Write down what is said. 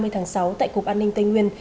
hai mươi tháng sáu tại cục an ninh tây nguyên